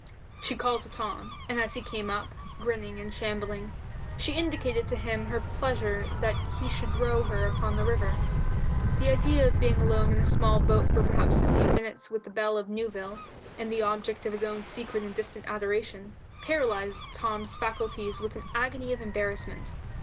She called to Tom, and as he came up, grinning and shambling, she indicated to him her pleasure that he should row her upon the river. The idea of being alone in a small boat for perhaps fifteen minutes with the belle of Newville, and the object of his own secret and distant adoration, paralysed Tom's faculties with an agony of embarrassment.